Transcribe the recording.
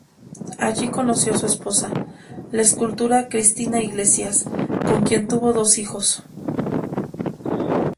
Allí conoció a su esposa, la escultora Cristina Iglesias, con quien tuvo dos hijos.